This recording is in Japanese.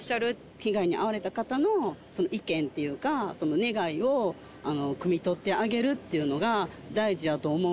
被害に遭われた方の意見というか、その願いを酌み取ってあげるっていうのが大事やと思う。